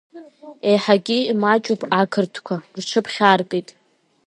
Еиҳагьы имаҷуп ақырҭқәа, рҽыԥхьаркит.